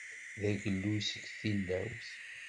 D aɣelluy seg tilawt.